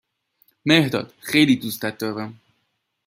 مهرداد خیلی دوستت دارم.